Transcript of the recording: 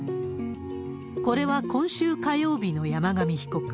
これは今週火曜日の山上被告。